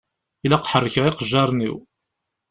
Ilaq ḥerrkeɣ iqejjaṛen-iw.